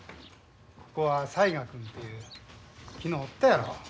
ここは雑賀君という昨日おったやろ。